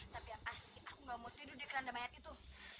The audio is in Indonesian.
tapi yang pasti aku gak mau tidur di kelanda mayat itu